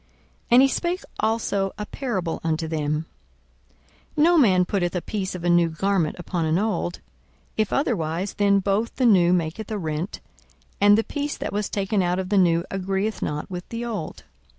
42:005:036 And he spake also a parable unto them; No man putteth a piece of a new garment upon an old; if otherwise, then both the new maketh a rent, and the piece that was taken out of the new agreeth not with the old.